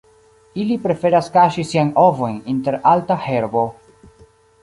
Ili preferas kaŝi siajn ovojn inter alta herbo.